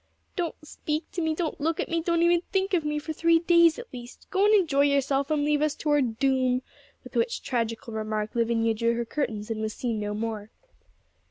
'Don't speak to me; don't look at me; don't even think of me for three days at least. Go and enjoy yourself, and leave us to our doom;' with which tragical remark Lavinia drew her curtains, and was seen no more.